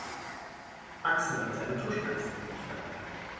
Axel hat seinen Tuschkasten nicht dabei.